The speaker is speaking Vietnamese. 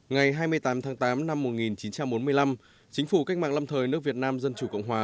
ngày hai mươi tám tháng tám năm một nghìn chín trăm bốn mươi năm chính phủ cách mạng lâm thời nước việt nam dân chủ cộng hòa